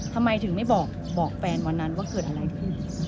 ทำไมถึงไม่บอกแฟนวันนั้นว่าเกิดอะไรขึ้น